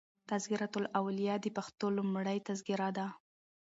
"تذکرة الاولیا" دپښتو لومړۍ تذکره ده.